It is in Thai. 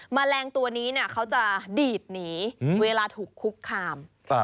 แมลงตัวนี้เขาจะดีดหนีเวลาถูกคุกคาม